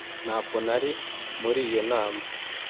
Ntabwo nari muri iyo nama.